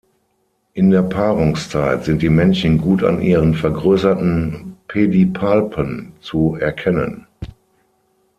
In der Paarungszeit sind die Männchen gut an ihren vergrößerten Pedipalpen zu erkennen.